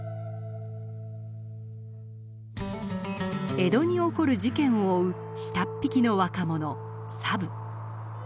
江戸に起こる事件を追う下っ引きの若者佐武。